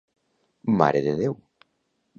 Mare de Déu.